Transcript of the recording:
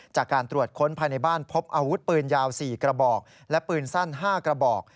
จากการตรวจค้นภายในบ้านพบอาวุธปืนยาว๔กระบอกและปืนสั้น๕กระบอก